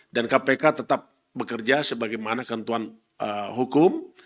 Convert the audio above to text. dan kpk tetap bekerja sebagaimana kentuan hukum